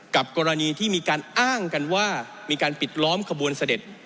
กรณีที่มีการอ้างกันว่ามีการปิดล้อมขบวนเสด็จ